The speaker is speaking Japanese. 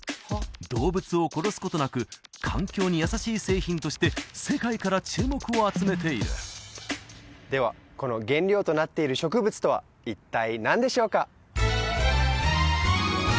動物を殺すことなく環境に優しい製品として世界から注目を集めているではこの原料となっている植物とは一体何でしょうか？